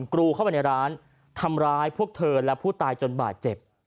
กรูเข้าไปในร้านทำร้ายพวกเธอและผู้ตายจนบาดเจ็บ